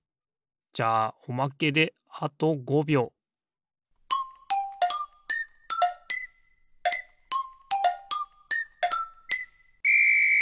じゃあおまけであと５びょうピッ！